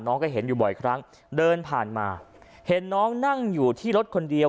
ก็เห็นอยู่บ่อยครั้งเดินผ่านมาเห็นน้องนั่งอยู่ที่รถคนเดียว